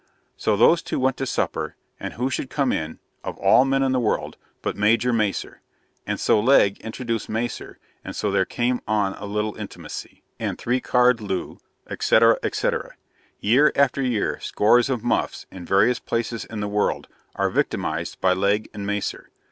So those two went to supper, and who should come in, of all men in the world, but Major Macer? And so Legg introduced Macer, and so there came on a little intimacy, and three card loo, &c. &c.. Year after year scores of Muffs, in various places in the world, are victimised by Legg and Macer.